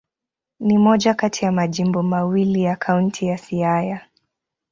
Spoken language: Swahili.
Ni moja kati ya majimbo mawili ya Kaunti ya Siaya.